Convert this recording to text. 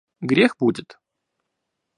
Грех будет.